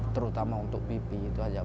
terutama untuk pipi itu aja